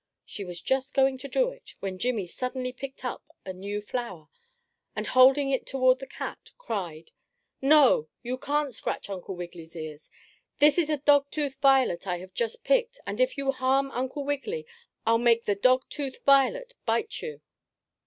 She was just going to do it, when Jimmie suddenly picked up a new flower, and holding it toward the cat cried: "No, you can't scratch Uncle Wiggily's ears! This is a dog tooth violet I have just picked, and if you harm Uncle Wiggily I'll make the dog tooth violet bite you!"